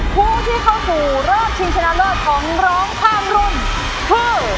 ผู้ที่เข้าสู่รอบชิงชนะเลิศของร้องข้ามรุ่นคือ